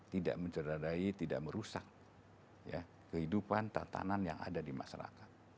tidak mencerdarai tidak merusak kehidupan tatanan yang ada di masyarakat